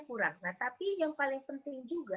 kurang nah tapi yang paling penting juga